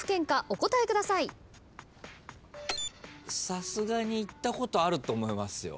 さすがに行ったことあると思いますよ。